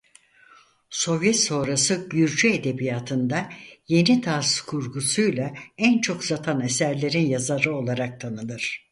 Sovyet sonrası Gürcü edebiyatında yeni tarz kurgusuyla en çok satan eserlerin yazarı olarak tanınır.